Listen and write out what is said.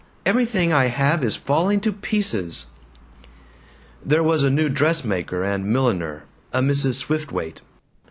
Everything I have is falling to pieces." There was a new dressmaker and milliner, a Mrs. Swiftwaite.